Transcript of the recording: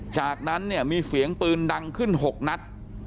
จากนั้นเนี่ยมีเสียงปืนดังขึ้น๖นัด